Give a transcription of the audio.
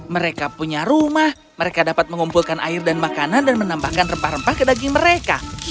mereka punya rumah mereka dapat mengumpulkan air dan makanan dan menambahkan rempah rempah ke daging mereka